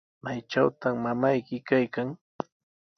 ¿Maytrawtaq mamayki kaykan?